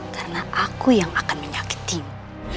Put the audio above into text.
karena aku yang akan menyakitimu